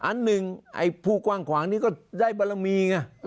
อันหนึ่งไอ้ผู้กว้างขวางนี้ก็ได้บารมีไง